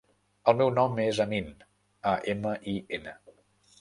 El meu nom és Amin: a, ema, i, ena.